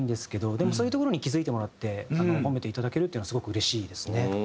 でもそういうところに気付いてもらって褒めていただけるっていうのはスゴくうれしいですね。